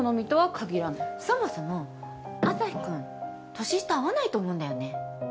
そもそもアサヒくん年下合わないと思うんだよね。